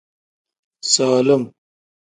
Sulum.